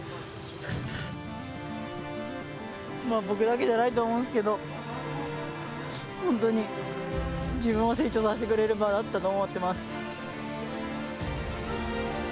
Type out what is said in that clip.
僕だけじゃないと思うんですけど、本当に自分を成長させてくれる場だったと思ってます。